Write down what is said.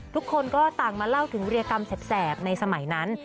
ทุกคนก็ต่างมาเล่าถึงวิรกรรมแสบในสมัยนั้น